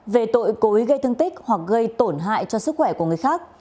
về tội cố ý gây thương tích hoặc gây tổn hại cho sức khỏe của người khác